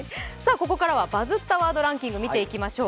ここからは「バズったワードランキング」を見ていきましょう。